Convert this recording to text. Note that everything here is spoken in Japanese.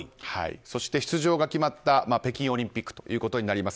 そして出場が決まった北京オリンピックです。